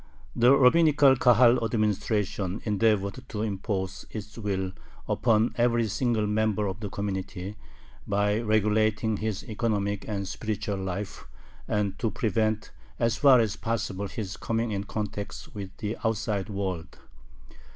The rabbinical Kahal administration endeavored to impose its will upon every single member of the community by regulating his economic and spiritual life, and to prevent as far as possible his coming in contact with the outside world.